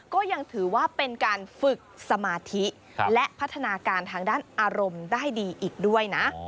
ก็ยังถือว่าเป็นการฝึกสมาธิและพัฒนาการทางด้านอารมณ์ได้ดีอีกด้วยนะ